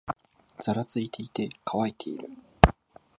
ざらついていて、乾いている